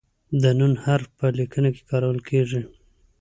د "ن" حرف په لیکنه کې کارول کیږي.